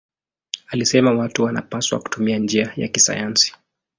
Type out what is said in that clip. Alisema watu wanapaswa kutumia njia ya kisayansi.